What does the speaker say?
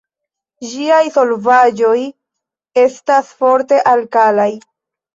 Ĝiaj solvaĵoj estas forte alkalaj.